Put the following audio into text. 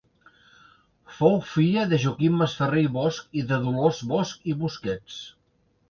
Fou filla de Joaquim Masferrer i Bosch i de Dolors Bosch i Busquets.